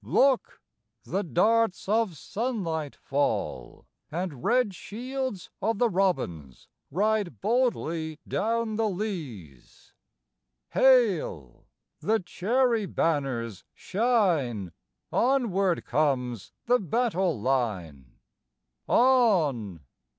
Look! The darts of sunlight fall, And red shields of the robins Ride boldly down the leas; Hail! The cherry banners shine, Onward comes the battle line, On!